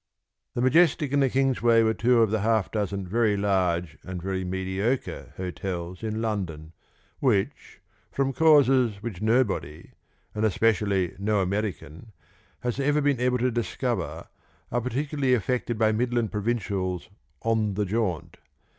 The Majestic and the Kingsway were two of the half dozen very large and very mediocre hotels in London which, from causes which nobody, and especially no American, has ever been able to discover, are particularly affected by Midland provincials "on the jaunt."